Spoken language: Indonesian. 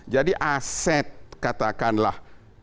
jadi aset katakanlah